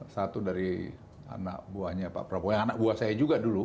satu dari anak buahnya pak prabowo anak buah saya juga dulu